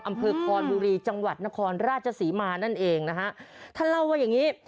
อำเภอคอนบุรีจังหวัดนครราชศรีมานั่นเองนะฮะท่านเล่าว่าอย่างงี้